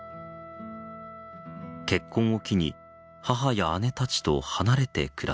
結婚を機に母や姉たちと離れて暮らすように。